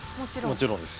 もちろんです。